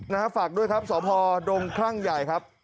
นะฮะฝากด้วยครับสพดงคลั่งใหญ่ครับ